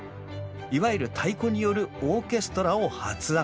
いわゆる太鼓によるオーケストラを発案。